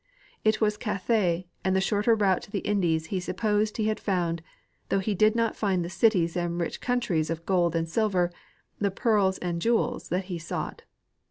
It was Cathay and the shorter route to the Indies he supposed he had found, though he did not find the cities and rich countries, the gold and silver, the pearls and jewels, that he sought.